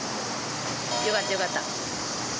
よかったよかった。